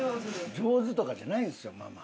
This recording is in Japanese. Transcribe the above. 上手とかじゃないんですよママ。